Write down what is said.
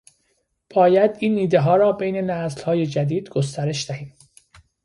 باید این ایدهها را بین نسلهای جدید گسترش دهیم